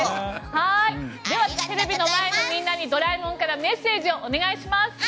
テレビの前のみんなにドラえもんからメッセージをお願いします。